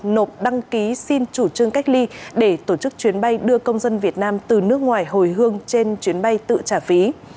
nộp đăng ký xin chủ trương cách ly để tổ chức chuyến bay đưa công dân việt nam từ nước ngoài hồi hương trên chuyến bay tự trả phí